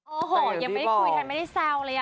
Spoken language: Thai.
โอ้โหยังไม่ได้คุยกันไม่ได้แซวเลย